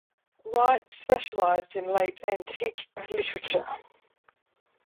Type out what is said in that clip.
Wright specialized in late antique literature.